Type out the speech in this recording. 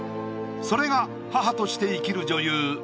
それが母として生きる女優